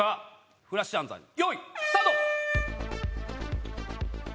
フラッシュ暗算よいスタート！